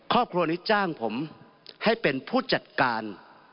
ครอบครัวนี้จ้างผมให้เป็นผู้จัดการ